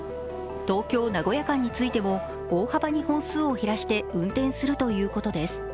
東京−名古屋間についても大幅に本数を減らして運転するということです。